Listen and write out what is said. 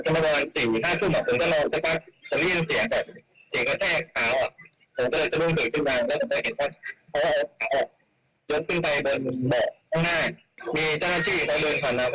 ก็เลยปิดกล้องแล้วก็บอกให้พี่เจ้าหน้าที่เขาเอาขาลงครับ